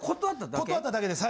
断っただけですはい。